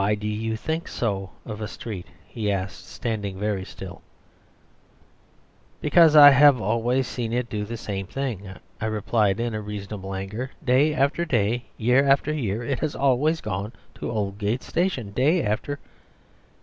"'Why do you think so of a street?' he asked, standing very still. "'Because I have always seen it do the same thing,' I replied, in reasonable anger. 'Day after day, year after year, it has always gone to Oldgate Station; day after...